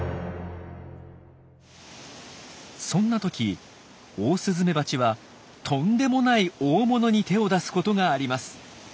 そんな時オオスズメバチはとんでもない大物に手を出すことがあります。